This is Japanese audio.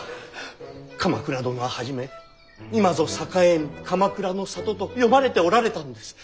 鎌倉殿は初め「今ぞ栄えむ鎌倉の里」と詠まれておられたのです。